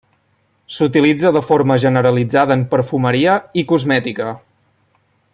S'utilitza de forma generalitzada en perfumeria i cosmètica.